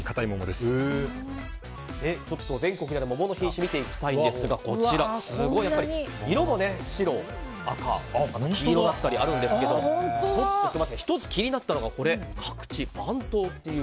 全国にある桃の品種を見ていきたいんですが色も白、赤黄色だったりあるんですが１つ気になったのが各地、蟠桃っていう。